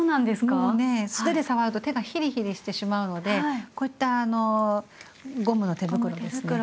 もうね素手で触ると手がひりひりしてしまうのでこういったゴムの手袋ですね。